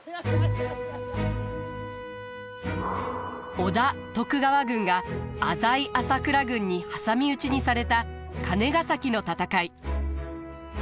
織田徳川軍が浅井朝倉軍に挟み撃ちにされた金ヶ崎の戦い。